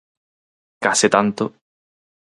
¡Case tanto!